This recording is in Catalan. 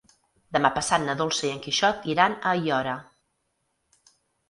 Demà passat na Dolça i en Quixot iran a Aiora.